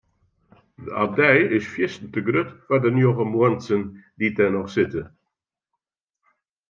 De abdij is fierstente grut foar de njoggen muontsen dy't der noch sitte.